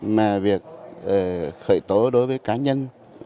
mà việc khởi tố đối với cá nhân